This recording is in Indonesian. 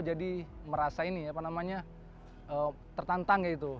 jadi merasa ini apa namanya tertantang gitu